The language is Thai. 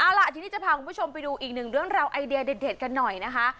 เอาล่ะทีนี้จะพาคุณผู้ชมไปดูอีกหนึ่งเรื่องราวไอเดียเด็ดกันหน่อยนะคะ